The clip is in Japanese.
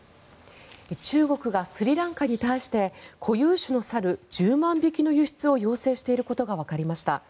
中国がスリランカに対して固有種の猿１０万匹の輸出を要請していることがわかりました。